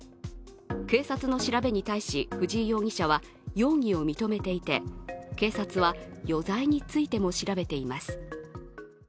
警察の調べに対し、藤井容疑者は容疑を認めていて警察は余罪についても調べています。